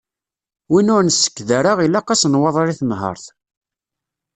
Win ur nsekked ara ilaq-as nwaḍer i tenhert.